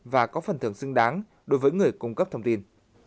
và có phần thưởng xứng đáng đối với người cung cấp thông tin